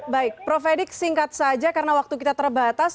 baik prof edik singkat saja karena waktu kita terbatas